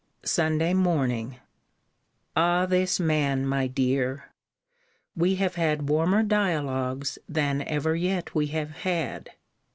SUNDAY MORNING. Ah! this man, my dear! We have had warmer dialogues than ever yet we have had.